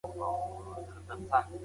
استاد نوي لاري ښودلي دي.